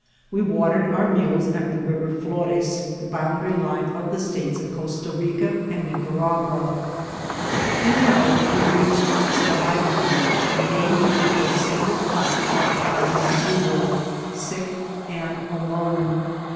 We watered our mules at the River Flores, the bonndary line of the states of Costa Rioa and Nicaragua. In an hour we reached Skamaika, the name given to a single hut occupied by a negro, sick and alone.